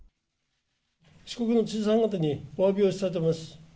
四国の知事さん方におわびをしたいと思います。